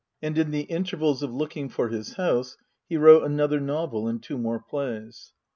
And in the intervals of looking for his house he wrote another novel and two more plays.